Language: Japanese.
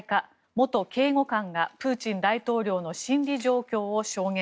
元警護官がプーチン大統領の心理状況を証言。